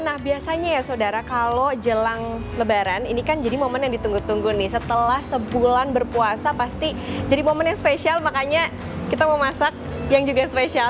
nah biasanya ya saudara kalau jelang lebaran ini kan jadi momen yang ditunggu tunggu nih setelah sebulan berpuasa pasti jadi momen yang spesial makanya kita mau masak yang juga spesial